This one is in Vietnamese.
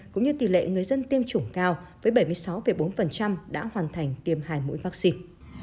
cũng như tỷ lệ người dân tiêm chủng cao với bảy mươi sáu bốn đã hoàn thành tiêm hai mũi vaccine